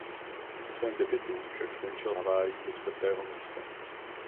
Při svém debutu však skončil havárií ze čtvrtého místa.